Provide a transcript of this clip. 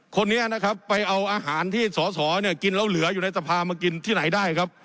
คนนี้นะครับไปเอาอาหารที่สอสอเนี่ยกินแล้วเหลืออยู่ในสภามากินที่ไหนได้ครับ